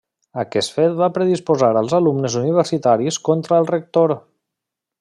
Aquest fet va predisposar als alumnes universitaris contra el rector.